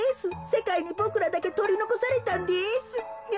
せかいにボクらだけとりのこされたんです。